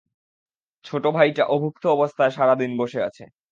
ছোট ভাইটা অভুক্ত অবস্থায় সারা দিন বসে আছে।